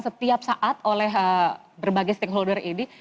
setiap saat oleh berbagai stakeholder ini